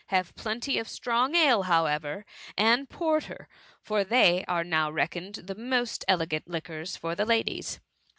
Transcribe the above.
Have plenty of strong ale, however, and porter, for they are now reckoned the most elegant liquors for the ladies.